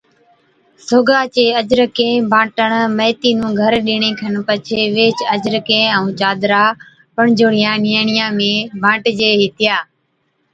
سوگا چين اجرکين بانٽڻ، ميٿِي نُون گھر ڏيڻي کن پڇي ويھِچ اجرکين ائُون چادرا پڻجوڙِيا نِياڻِيا ۾ بانٽجي ھِتِيا